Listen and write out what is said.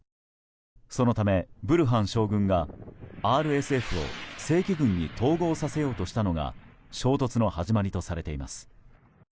そのためブルハン将軍がＲＳＦを正規軍に統合させようとしたのが衝突の始まりとされています。